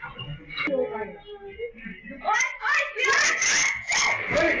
พี่หนุนดีกว่านี้นะครับ